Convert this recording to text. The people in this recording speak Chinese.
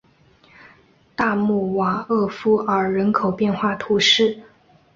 大穆瓦厄夫尔人口变化图示